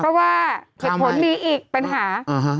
เพราะว่าเหตุผลมีอีกปัญหา